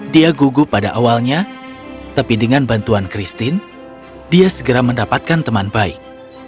dia gugup pada awalnya tapi dengan bantuan christine dia segera mendapatkan teman baik